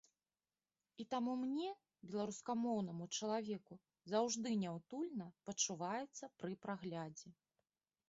І таму мне, беларускамоўнаму чалавеку, заўжды няўтульна пачуваецца пры праглядзе.